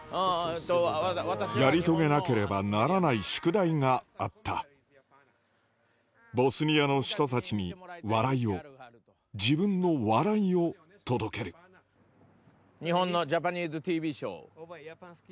やり遂げなければならない宿題があったボスニアの人たちに笑いを自分の笑いを届ける日本のジャパニーズＴＶショー。